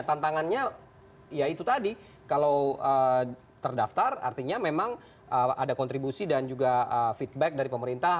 tantangannya ya itu tadi kalau terdaftar artinya memang ada kontribusi dan juga feedback dari pemerintah